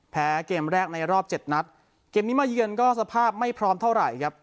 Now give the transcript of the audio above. แพ้เกมแรกในรอบเจ็ดนัดเกมนี้มาเยือนก็สภาพไม่พร้อมเท่าไหร่ครับ